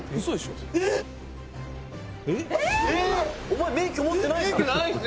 「お前免許持ってないじゃん！」